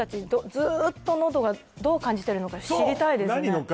ずーっと喉がどう感じてるのか知りたいですね何や？